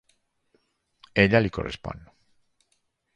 Ella li correspon.